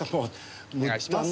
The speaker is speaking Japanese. お願いします。